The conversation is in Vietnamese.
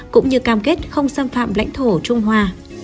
cũng như cam kết không xâm phạm lãnh thổ trung hòa